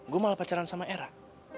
gue malah pacaran sama era